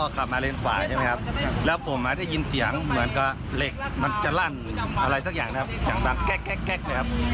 คือเวลาบกมันจะอย่างลงใหม่